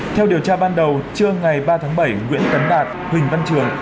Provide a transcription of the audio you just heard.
theo điều tra ban đầu trưa ngày ba tháng bảy nguyễn cắn đạt huỳnh văn trường